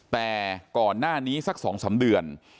แต่ก่อนหน้านี้สัก๒๓เดือน